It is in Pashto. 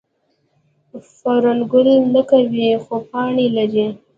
فرن ګل نه کوي خو پاڼې لري